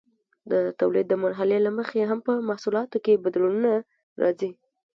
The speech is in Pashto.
د تولید د مرحلې له مخې هم په محصولاتو کې بدلونونه راځي.